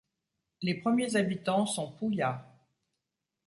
Les premiers habitants sont Pouya.